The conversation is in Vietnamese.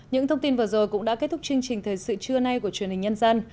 những thông tin vừa rồi cũng đã kết thúc chương trình thời sự trưa nay của truyền hình nhân dân